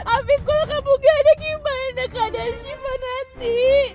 afif kalau kamu gak ada gimana keadaan shiva nanti